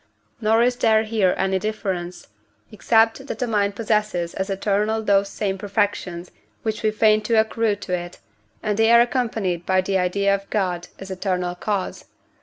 Nor is there here any difference, except that the mind possesses as eternal those same perfections which we feigned to accrue to it, and they are accompanied by the idea of God as eternal cause.